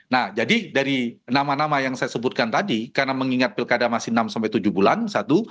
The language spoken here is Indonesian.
nah jadi dari nama nama yang saya sebutkan tadi karena mengingat pilkada masih enam sampai tujuh bulan satu